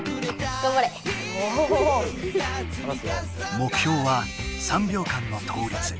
目標は３秒間の倒立。